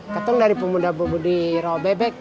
ketum dari pemuda bubuni rawa bebek